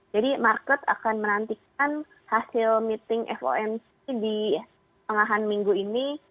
jadi market akan menantikan hasil meeting fomc di tengah tengah minggu ini